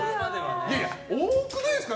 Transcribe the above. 多くないですか？